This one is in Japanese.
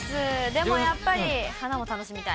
でもやっぱり花も楽しみたい。